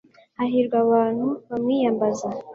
hahirwa abantu bamwiyambaza